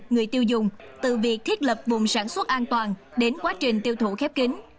người tiêu dùng từ việc thiết lập vùng sản xuất an toàn đến quá trình tiêu thụ khép kính